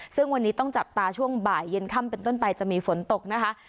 ซึ่งวันนี้ต้องจับตาช่วงบ่ายเย็นค่ำเป็นต้นไปจะมีฝนตกนะคะ